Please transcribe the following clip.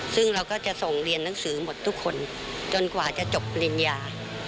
ซึ่งเราก็จะส่งเรียนหนังสือหมดทุกคนจนกว่าจะจบปริญญา